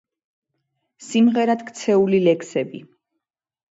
სიმღერად ქცეული ლექსები